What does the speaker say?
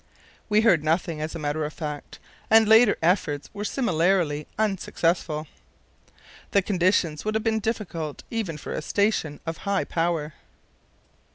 We heard nothing, as a matter of fact, and later efforts were similarly unsuccessful. The conditions would have been difficult even for a station of high power.